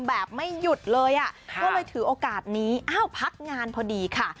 แบบไม่หยุดเลยอ่ะก็เลยถือโอกาสนี้อ้าวพักงานพอดีค่ะ